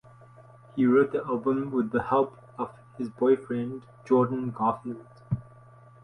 He wrote the album with the help of his boyfriend Jordan Garfield.